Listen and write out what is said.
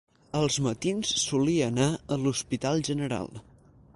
Als matins solia anar a l'Hospital General